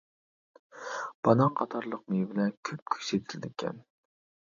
بانان قاتارلىقلار مېۋىلەر كۆپكۆك سېتىلىدىكەن.